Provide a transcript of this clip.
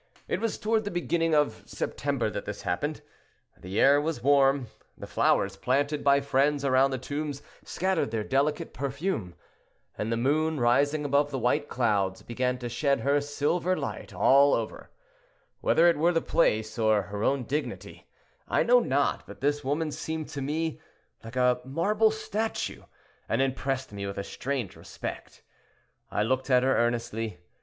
It was toward the beginning of September that this happened; the air was warm, the flowers planted by friends around the tombs scattered their delicate perfume, and the moon, rising above the white clouds, began to shed her silver light over all. Whether it were the place, or her own dignity, I know not, but this woman seemed to me like a marble statue, and impressed me with a strange respect. I looked at her earnestly.